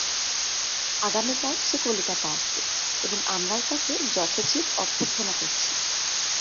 আগামীকাল সে কলিকাতা আসবে, এবং আমরাও তাকে যথোচিত অভ্যর্থনা করছি।